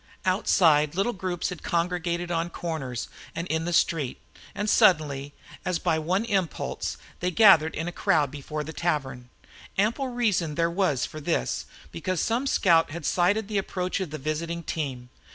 Outside little groups had congregated on corners and in the street, and suddenly, as by one impulse, they gathered in a crowd before the tavern. Ample reason there was for this, because some scout had sighted the approach of the visiting team.